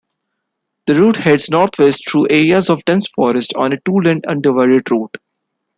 The route heads northwest through areas of dense forest on a two-lane undivided road.